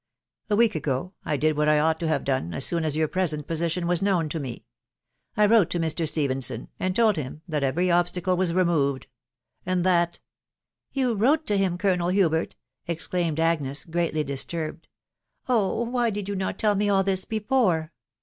A Week ago, I did what I ought to have done, as soon as your jnresent position was known to me ...* I wrote to Mr. Ste phenson, and told him that every obstacle was removed .... and that •••••" Yon wrote to him, Colonel Hubert !" exclaimed Agnes., greatly disturbed ••.." Oh ! why did you not tell me all thi? before?"